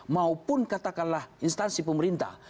maupun katakanlah instansi pemerintah